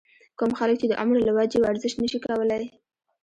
کوم خلک چې د عمر له وجې ورزش نشي کولے